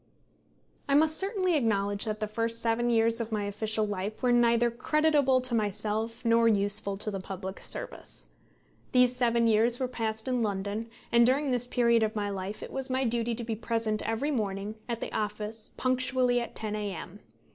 I must certainly acknowledge that the first seven years of my official life were neither creditable to myself nor useful to the public service. These seven years were passed in London, and during this period of my life it was my duty to be present every morning at the office punctually at 10 A.M.